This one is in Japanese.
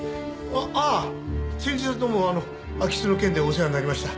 ああ先日はどうも空き巣の件でお世話になりました。